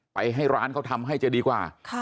ไปให้ร้านเขาทำให้จะดีกว่า